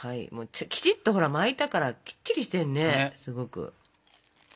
きちっとほら巻いたからきっちりしてるねすごく。